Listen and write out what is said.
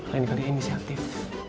lain kali ini si aktif